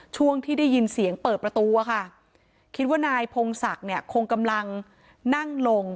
ช่วงที่ได้ยินเสียงเปิดประตูอะค่ะคิดว่านายพงศักดิ์เนี่ยคงกำลังนั่งลง